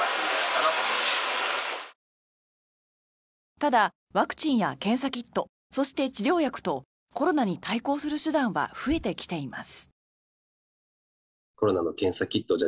ただ、ワクチンや検査キットそして治療薬とコロナに対抗する手段は増えてきています。